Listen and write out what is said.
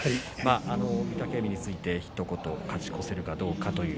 御嶽海についてひと言勝ち越せるかどうか。